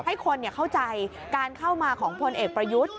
ให้คนเข้าใจการเข้ามาของพลเอกประยุทธ์